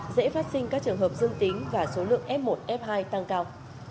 dễ phát sinh các trường hợp dương tính và số lượng f một f hai tăng cao